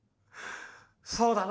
そうだな。